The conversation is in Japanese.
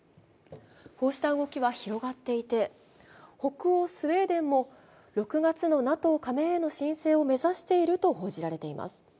こうした動きは広がっていて、北欧スウェーデンも６月のＮＡＴＯ加盟への申請を目指していると報じられています。